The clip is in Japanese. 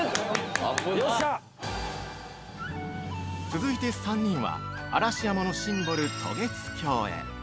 ◆続いて３人は嵐山のシンボル、渡月橋へ。